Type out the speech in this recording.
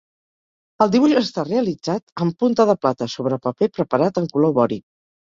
El dibuix està realitzat en punta de plata sobre paper preparat en color vori.